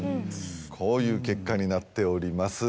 こういう結果になっております。